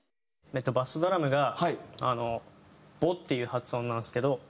バスドラムが「ボ」っていう発音なんですけど。